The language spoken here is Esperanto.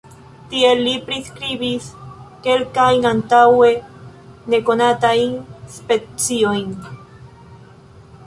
Tiel li priskribis kelkajn antaŭe nekonatajn speciojn.